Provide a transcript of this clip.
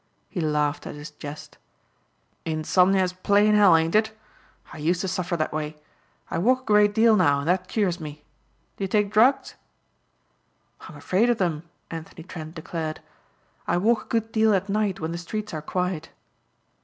He laughed at his jest. "Insomnia is plain hell, ain't it? I used to suffer that way. I walk a great deal now and that cures me. Do you take drugs?" "I'm afraid of them," Anthony Trent declared. "I walk a good deal at night when the streets are quiet."